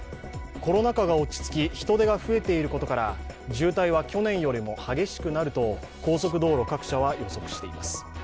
コロナ禍が落ち着き、人手が増えていることから渋滞は去年よりも激しくなると高速道路各社は予測しています。